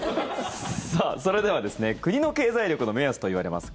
それでは国の経済力の目安といわれます